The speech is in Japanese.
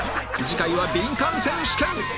次回はビンカン選手権